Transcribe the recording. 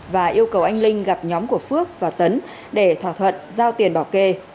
và yêu cầu anh linh gặp nhóm của phước và tấn để thỏa thuận giao tiền bảo kê